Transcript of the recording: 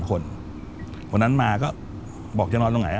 คนวันนั้นมาก็บอกจะนอนตรงไหน